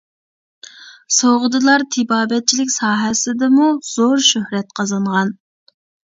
سوغدىلار تېبابەتچىلىك ساھەسىدىمۇ زور شۆھرەت قازانغان.